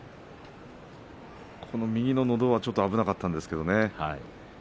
右ののど輪、ちょっと危なかったんですけれどもね。